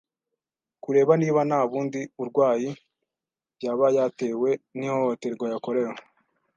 kureba niba nta bundi urwayi yaba yatewe n’ihohoterwa yakorewe